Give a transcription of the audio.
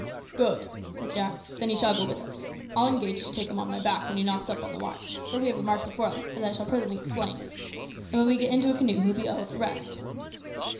"Good," said Jack; "then he shall go with us. I'll engage to take him on my back when he knocks up on the march for we have a march before us, as I shall presently explain and when we get into a canoe he will be able to rest."